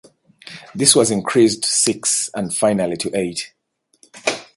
This was increased to six and finally to eight.